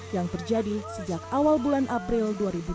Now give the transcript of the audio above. yang terjadi sejak awal bulan april dua ribu dua puluh